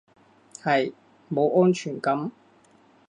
係，冇安全感